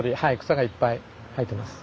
草がいっぱい生えてます。